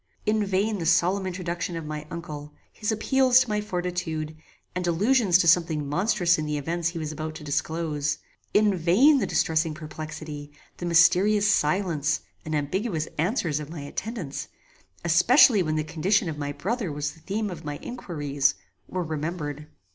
In vain the solemn introduction of my uncle, his appeals to my fortitude, and allusions to something monstrous in the events he was about to disclose; in vain the distressful perplexity, the mysterious silence and ambiguous answers of my attendants, especially when the condition of my brother was the theme of my inquiries, were remembered.